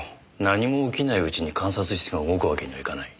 何も起きないうちに監察室が動くわけにはいかない。